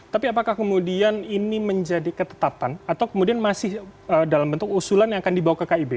tapi apakah kemudian ini menjadi ketetapan atau kemudian masih dalam bentuk usulan yang akan dibawa ke kib